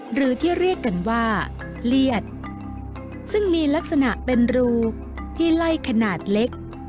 หรือที่เรียกกันว่าเลียดซึ่งมีลักษณะเป็นรูที่ไล่ขนาดเล็ก